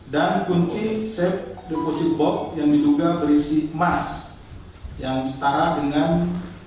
dan kunci safe deposit box yang diduga berisi emas yang setara dengan rp satu empat ratus